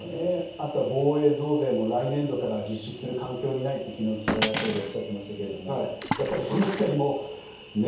あとは防衛増税を実施する環境にないと岸田総理はおっしゃってましたがやっぱり、その辺りもね。